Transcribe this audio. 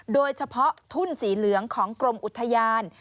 โดยเฉพาะทุนสีเหลืองของกรมอุทยาน